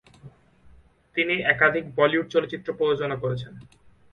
তিনি একাধিক বলিউড চলচ্চিত্র প্রযোজনা করেছেন।